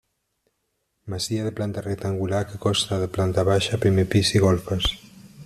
Masia de planta rectangular que consta de planta baixa, primer pis i golfes.